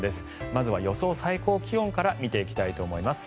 まずは予想最高気温から見ていきたいと思います。